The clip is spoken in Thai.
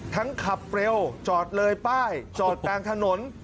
ขับเร็วจอดเลยป้ายจอดกลางถนน